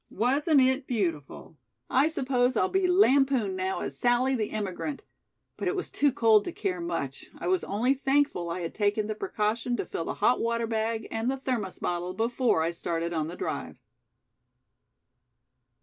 Wasn't it beautiful? I suppose I'll be lampooned now as 'Sallie, the emigrant.' But it was too cold to care much. I was only thankful I had taken the precaution to fill the hot water bag and the thermos bottle before I started on the drive."